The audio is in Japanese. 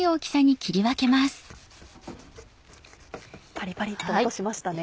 パリパリっと音しましたね。